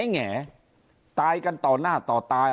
แหงตายกันต่อหน้าต่อตาย